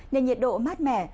nên nhiệt độ mát mẻ